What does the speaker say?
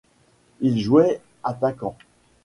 Il jouait attaquant.